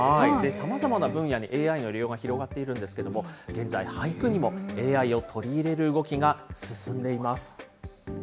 さまざまな分野にＡＩの利用が広がっているんですけれども、現在、俳句にもＡＩを取り入れる動きが進んでいます。